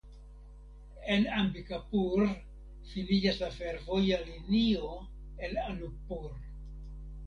En Ambikapur finiĝas la fervoja linio el Anuppur.